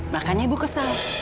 makanya ibu kesal